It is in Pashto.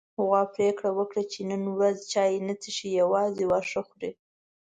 غوا پرېکړه وکړه چې نن ورځ چای نه څښي، يوازې واښه خوري.